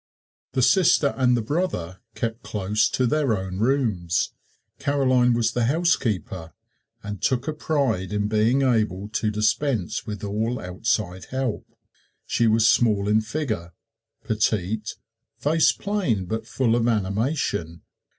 The sister and the brother kept close to their own rooms. Caroline was the housekeeper, and took a pride in being able to dispense with all outside help. She was small in figure, petite, face plain but full of animation.